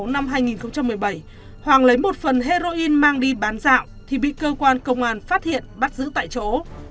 năm hai nghìn một mươi bảy hoàng lấy một phần heroin mang đi bán dạo thì bị cơ quan công an phát hiện bắt giữ tại chỗ